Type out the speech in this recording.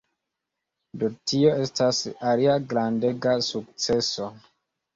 Do tio estas alia grandega sukceso.